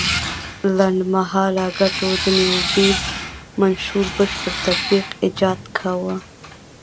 لنډ مهاله ګټو د نیوډیل منشور بشپړ تطبیق ایجاب کاوه.